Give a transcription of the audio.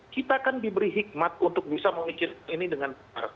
kita kan diberi hikmat untuk bisa memikirkan ini dengan benar